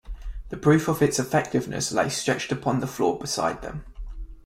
The proof of its effectiveness lay stretched upon the floor beside them.